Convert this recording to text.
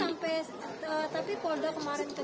tapi sampai tapi polda kemarin itu